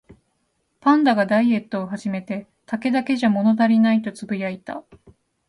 パンダがダイエットを始めて、「竹だけじゃ物足りない」とつぶやいた